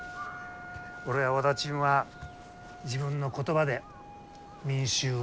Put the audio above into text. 俺や和田ちんは自分の言葉で民衆を熱狂させる。